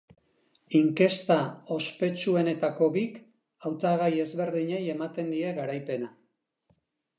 Inkesta ospetsuenetako bik hautagai ezberdinei ematen die garaipena.